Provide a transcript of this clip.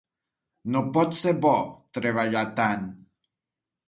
No pot ser bo, treballar tant.